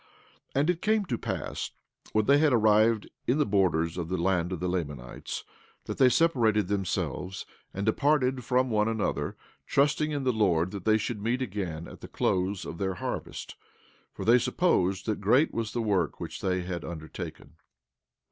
17:13 And it came to pass when they had arrived in the borders of the land of the Lamanites, that they separated themselves and departed one from another, trusting in the Lord that they should meet again at the close of their harvest; for they supposed that great was the work which they had undertaken.